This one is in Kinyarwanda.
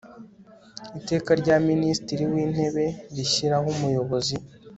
Iteka rya Minisitiri w Intebe rishyiraho Umuyobozi